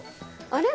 あれ？